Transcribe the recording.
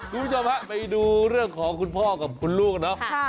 คุณผู้ชมฮะไปดูเรื่องของคุณพ่อกับคุณลูกเนาะ